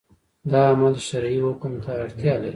دا عمل شرعي حکم اړتیا لري